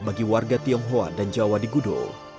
bagi warga tionghoa dan jawa di gudo